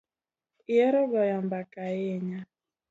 Ihero goyo mbaka ahinya